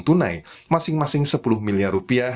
tunai masing masing sepuluh miliar rupiah